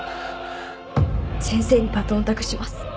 先生にバトンを託します。